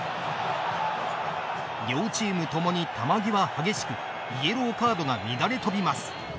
両チーム共に球際激しくイエローカードが乱れ飛びます。